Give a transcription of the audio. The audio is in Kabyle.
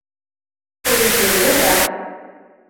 Ur izad wara.